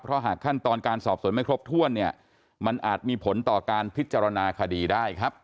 เพราะหากขั้นตอนการสอบสวนไม่ครบถ้วนเนี่ยมันอาจมีผลต่อการพิจารณาคดีได้ครับ